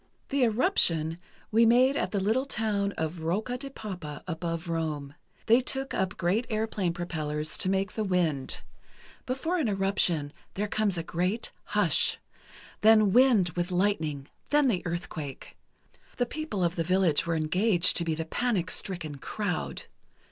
The "eruption," we made at the little town of Rocca di Papa, above Rome. They took up great airplane propellers to make the wind. Before an eruption, there comes a great hush—then wind with lightning, then the earthquake. The people of the village were engaged to be the panic stricken crowd.